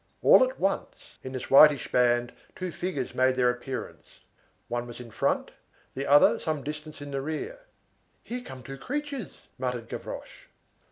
All at once, in this whitish band, two figures made their appearance. One was in front, the other some distance in the rear. "There come two creatures," muttered Gavroche.